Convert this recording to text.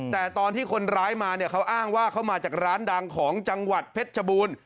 แต่ตอนที่คนร้ายมาเนี่ยเขาอ้างว่าเขามาจากร้านดังของจังหวัดเพชรชบูรณ์